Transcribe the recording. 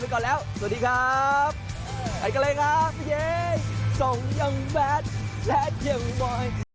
ขอบคุณครับ